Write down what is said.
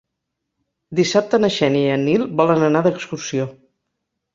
Dissabte na Xènia i en Nil volen anar d'excursió.